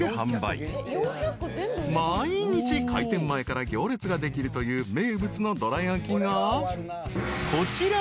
［毎日開店前から行列ができるという名物のどら焼きがこちら］